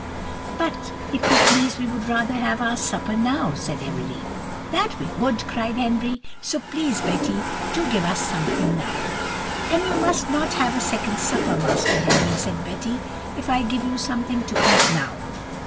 "But, if you please, we would rather have our supper now," said Emily. "That we would," cried Henry; "so please, Betty, do give us something now." "Then you must not have a second supper, Master Henry," said Betty, "if I give you something to eat now."